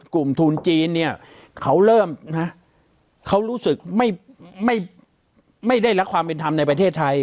กลุ่มทุนจีนเนี่ยเขาเริ่มนะเขารู้สึกไม่ได้รับความเป็นธรรมในประเทศไทย